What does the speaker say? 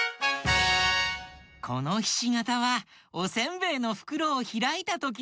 このひしがたはおせんべいのふくろをひらいたときのかたちだったのか。